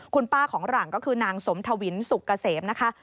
คุณป้าของหลังก็คือนางสมทวินสุกเกษมนะคะ